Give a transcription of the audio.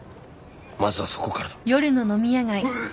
まずはそこからだオエッ。